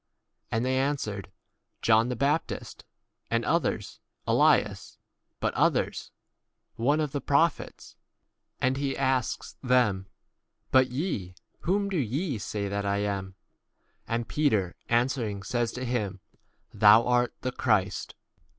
And they answered, John the baptist ; and others, Elias ; but others, One of the pro 29 phets. And he x asks? them, But ye, whom do ye say that I am? And Peter answering says to him, 30 Thou art the Christ.